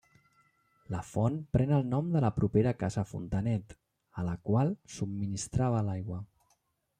La font pren el nom de la propera Casa Fontanet, a la qual subministrava aigua.